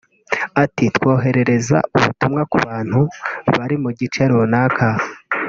Ati “Twoherereza ubutumwa ku bantu bari mu gice runaka